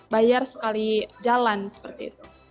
bayar sekali jalan seperti itu